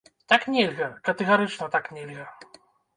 Так нельга, катэгарычна так нельга.